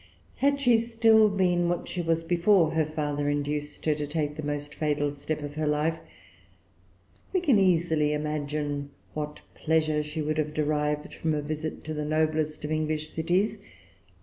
Had she still been what she was before her father induced her to take the most fatal step of her life, we can easily imagine what pleasure she would have derived from a visit to the noblest of English cities.